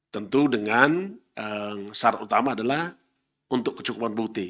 tentu dengan syarat utama adalah untuk kecukupan bukti